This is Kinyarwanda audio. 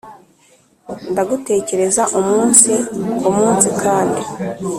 ndagutekereza umunsi kumunsi, kandi